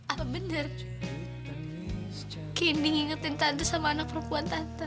apa benar candy ngingetin tante sama anak perempuan tante